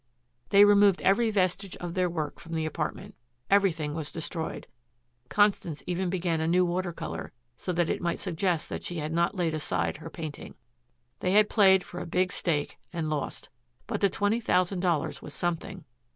They removed every vestige of their work from the apartment. Everything was destroyed. Constance even began a new water color so that that might suggest that she had not laid aside her painting. They had played for a big stake and lost. But the twenty thousand dollars was something.